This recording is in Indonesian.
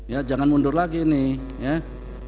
ya jangan mundur lagi nih ya